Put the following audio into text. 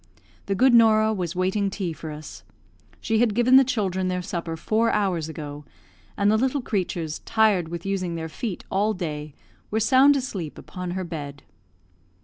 The good Norah was waiting tea for us. She had given the children their supper four hours ago, and the little creatures, tired with using their feet all day, were sound asleep upon her bed.